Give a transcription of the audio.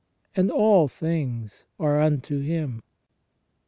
51 and all things are unto Him.